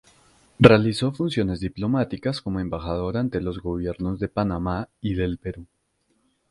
Realizó funciones diplomáticas como embajador ante los gobiernos de Panamá y del Perú.